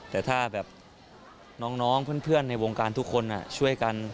แต่ถ้าแบบน้องเพื่อนในวงการทุกคนช่วยกัน